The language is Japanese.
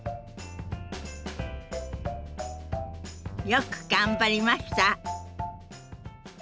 よく頑張りました。